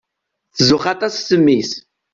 Tzuxx aṭas s mmi-s.